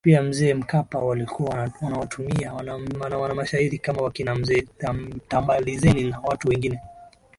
Pia Mzee Mkapa walikuwa wanawatumia wanamashairi kama wakina Mzee Tambalizeni na watu wengine